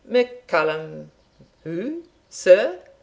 "MacCallum who, sir?"